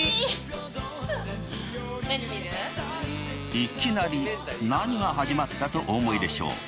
いきなり何が始まったとお思いでしょう。